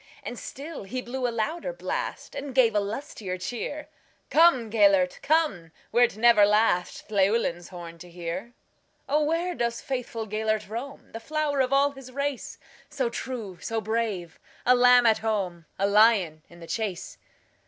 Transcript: And still he blew a louder blast, And gave a lustier cheer:"Come, Gêlert, come, wert never lastLlewelyn's horn to hear."O, where doth faithful Gêlert roam, The flower of all his race, So true, so brave,—a lamb at home,A lion in the chase?"